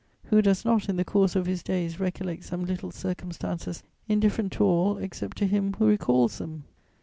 Who does not, in the course of his days, recollect some little circumstances indifferent to all, except to him who recalls them?